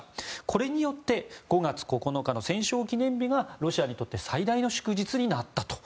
これによって５月９日の戦勝記念日がロシアにとって最大の祝日になったと。